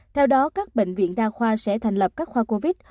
theo đó các bệnh viện đa khoa sẽ thành lập các khoa covid